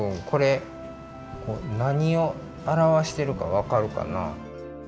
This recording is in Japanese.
これなにをあらわしてるかわかるかな？